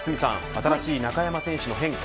新しい中山選手の変化